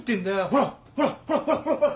ほらほらほらほらほらほら。